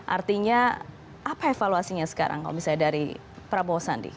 artinya apa evaluasinya sekarang kalau misalnya dari prabowo sandi